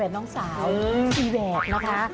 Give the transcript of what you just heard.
แหวดเงินสาวในแหวดนะคะ